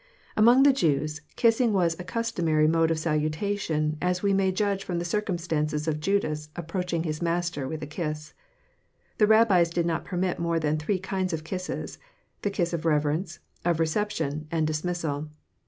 Among the Jews, kissing was a customary mode of salutation as we may judge from the circumstance of Judas approaching his Master with a kiss. The Rabbis did not permit more than three kinds of kisses, the kiss of reverence, of reception and dismissal.